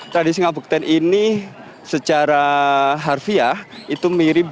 tradisi ngabekten ini secara harfiah itu mirip dengan